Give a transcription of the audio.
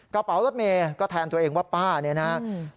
กระเป๋ารถเมย์ก็แทนตัวเองว่าป้าเนี่ยนะครับ